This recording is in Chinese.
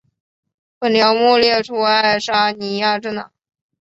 本条目列出爱沙尼亚政党。